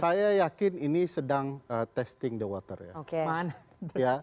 saya yakin ini sedang testing the water ya